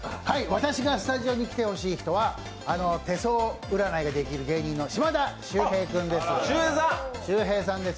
私がスタジオに来てほしい人は、手相占いができる島田秀平さんです。